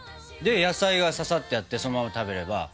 で野菜がささってあってそのまま食べれば。